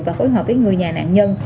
và phối hợp với người nhà nạn nhân